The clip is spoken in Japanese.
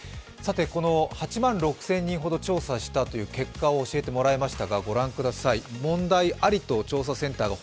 ８万６０００人ほど調査した結果を教えてもらいました。